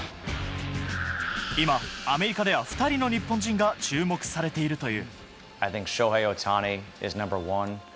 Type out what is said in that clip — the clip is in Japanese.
今、アメリカでは２人の日本人が注目されているという。